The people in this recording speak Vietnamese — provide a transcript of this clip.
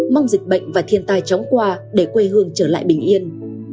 mong dịch bệnh và thiên tai chóng qua để quê hương trở lại bình yên